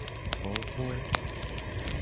Gbogboe.